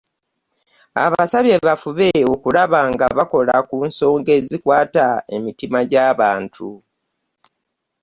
Abasabye bafube okulaba nga bakola ku nsonga ezikwata emitima gy'abantu